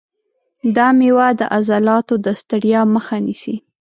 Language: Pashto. دا مېوه د عضلاتو د ستړیا مخه نیسي.